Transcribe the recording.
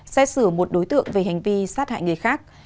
xét xử một đối tượng về hành vi sát hại người khác